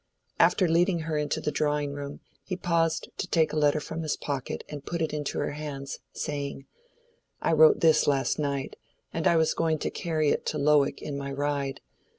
After leading her into the drawing room, he paused to take a letter from his pocket and put it into her hands, saying, "I wrote this last night, and was going to carry it to Lowick in my ride.